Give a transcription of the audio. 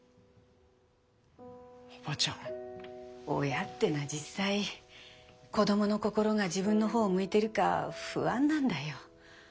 親ってのは実際子どもの心が自分の方を向いているか不安なんだよ。